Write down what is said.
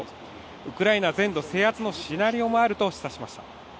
ウクライナ全土制圧のシナリオもあると示唆しました。